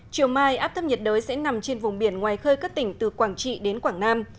chiều mai áp thấp nhiệt đới sẽ nằm trên vùng biển ngoài khơi các tỉnh từ quảng trị đến quảng nam